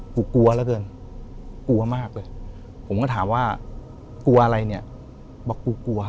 กลัวเหลือเกินกลัวมากเลยผมก็ถามว่ากลัวอะไรเนี่ยบอกกูกลัว